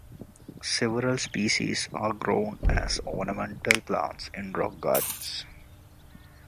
Several species are grown as ornamental plants in rock gardens.